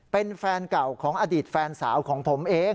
เป็นแฟนเก่าของอดีตแฟนสาวของผมเอง